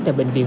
tại bệnh viện